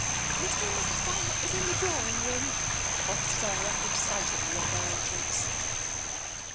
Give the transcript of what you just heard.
" Mr. and Mrs. Garrett is in the drawing room !" quoth Sarah excitedly at the entrance.